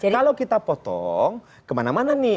kalau kita potong kemana mana nih